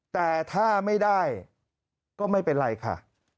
แต่ถ้าไม่ได้ก็ไม่เป็นไรค่ะ